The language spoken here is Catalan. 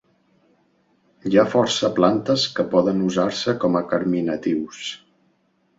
Hi ha força plantes que poden usar-se com a carminatius.